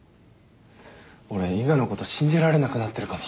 俺伊賀のこと信じられなくなってるかも。